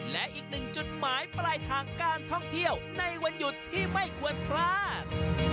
และอีกหนึ่งจุดหมายปลายทางการท่องเที่ยวในวันหยุดที่ไม่ควรพลาด